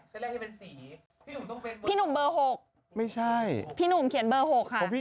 เส้นแรกให้เป็นสี